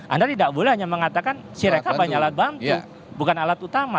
anda tidak boleh hanya mengatakan sireka banyak alat bantu bukan alat utama